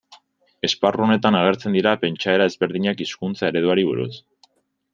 Esparru honetan agertzen dira pentsaera ezberdinak hizkuntza ereduari buruz.